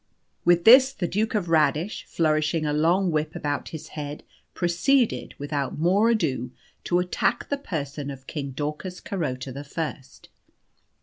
With this the Duke of Radish, flourishing a long whip about his head, proceeded, without more ado, to attack the person of King Daucus Carota the First.